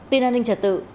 tin an ninh trật tự